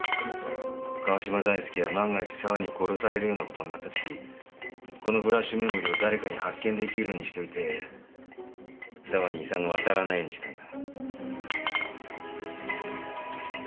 川嶋大介は万が一沢に殺されるようなことになったときこのフラッシュメモリーを誰かに発見できるようにしといて沢に遺産が渡らないようにしたんだ。